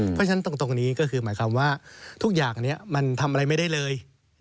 เพราะฉะนั้นตรงนี้ก็คือหมายความว่าทุกอย่างนี้มันทำอะไรไม่ได้เลย